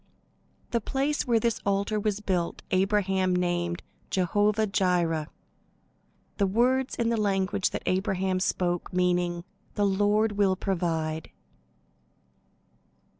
The place where this altar was built Abraham named Jehovah jireh, words in the language that Abraham spoke meaning, "The Lord will provide."